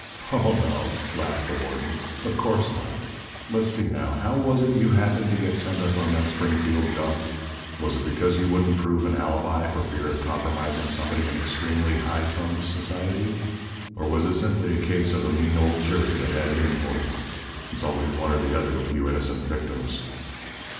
"Oh, no," laughed the warden. "Of course not. Let's see, now. How was it you happened to get sent up on that Springfield job? Was it because you wouldn't prove an alibi for fear of compromising somebody in extremely high toned society? Or was it simply a case of a mean old jury that had it in for you? It's always one or the other with you innocent victims."